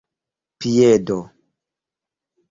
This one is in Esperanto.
piedo